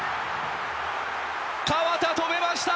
河田止めました！